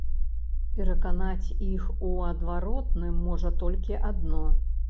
Пераканаць іх у адваротным можа толькі адно.